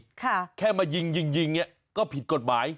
ค่ะแค่มายิงนี่ก็ผิดกฎหมาย